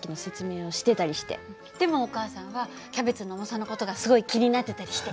でもお母さんはキャベツの重さの事がすごい気になってたりして。